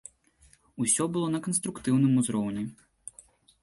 Усё было на канструктыўным узроўні.